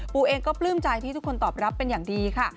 ปูเองก็ปลื้มใจที่ทุกคนตอบรับเป็นอย่างดีค่ะ